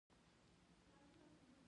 دولس بجې شوې.